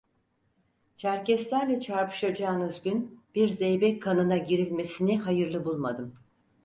Çerkeslerle çarpışacağınız gün bir zeybek kanına girilmesini hayırlı bulmadım.